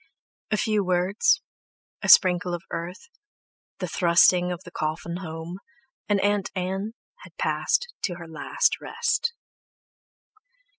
A few words, a sprinkle of earth, the thrusting of the coffin home, and Aunt Ann had passed to her last rest.